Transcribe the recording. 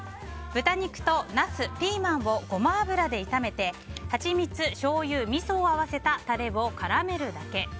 豚肉とナス、ピーマンをゴマ油で炒めてハチミツ、しょうゆ、みそを合わせたタレを絡めるだけ。